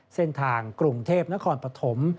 เส้นทางกรุงเทพนครปฐม